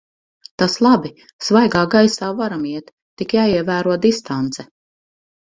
Tas labi! Svaigā gaisā varam iet, tik jāievēro distance.